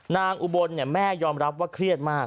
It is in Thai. อุบลแม่ยอมรับว่าเครียดมาก